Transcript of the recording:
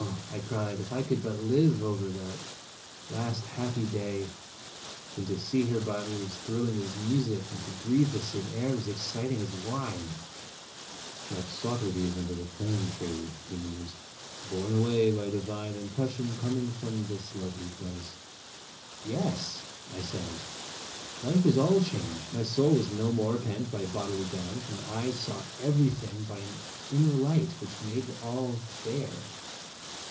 1 cried, "if I could but live over that last happy day, when to see her by me was thrilling as music, when to breathe the same air was exciting as wine !"" Like Socrates under the plane tree," he mused, " 'borne away by a divine impression coming from this lovely place.' " 1 'Yes," I said; "life was all changed, my soul was no more pent by bodily bounds, my eyes saw everything by an inner light which made all fair."